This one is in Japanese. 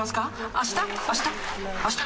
あした？